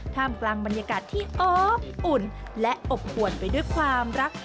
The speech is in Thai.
กลางบรรยากาศที่อบอุ่นและอบอวนไปด้วยความรัก